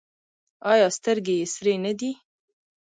ایا سترګې یې سرې نه دي؟